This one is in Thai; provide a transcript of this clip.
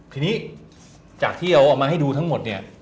ทีนี้จากที่เราเอามาให้ดูทั้งหมดเนี่ย